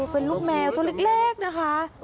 เป็นลูกแมวตัวเล็กนะคะ